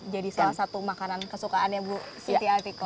jadi salah satu makanan kesukaannya bu siti althikora